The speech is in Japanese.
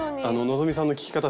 希さんの聞き方